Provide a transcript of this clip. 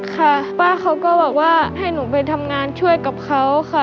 ค่ะป้าเขาก็บอกว่าให้หนูไปทำงานช่วยกับเขาค่ะ